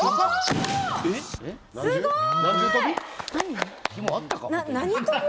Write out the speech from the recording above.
すごい！